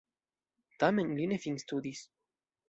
Tamen li ne finstudis.